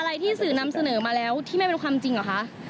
อะไรที่สื่อนำเสนอมาแล้วที่ไม่เป็นความจริงเหรอคะ